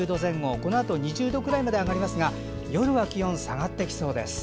このあと２０度くらいまで上がりますが夜は気温、下がってきそうです。